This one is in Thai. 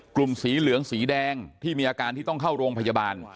กลุ่มสีเหลืองสีแดงที่มีอาการที่ต้องเข้าโรงพยาบาล